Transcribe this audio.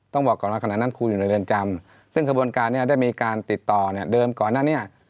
ต้องบอกก่อนว่าขณะนั้นครูอยู่ในเรือนจำซึ่งขบวนการนี้ได้มีการติดต่อเนี่ยเดิมก่อนนั้นเนี่ย